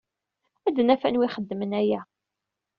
Ad d-naf anwa i ixedmen aya.